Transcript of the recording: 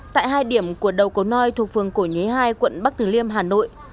tại hai điểm của đầu cầu noi thuộc phường cổ nhế hai quận bắc thử liêm hà nội